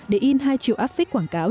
để in hai triệu áp phích quảng cáo